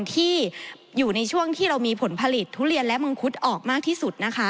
ที่อยู่ในช่วงที่เรามีผลผลิตทุเรียนและมังคุดออกมากที่สุดนะคะ